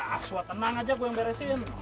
aksual tenang aja gue yang beresin